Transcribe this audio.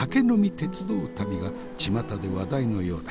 鉄道旅がちまたで話題のようだ。